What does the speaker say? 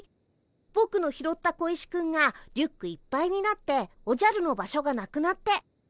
ぼくの拾った小石くんがリュックいっぱいになっておじゃるの場所がなくなって。